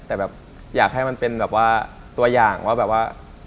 แต่แบบอยากให้มันเป็นแบบว่าตัวอย่างว่าแบบว่า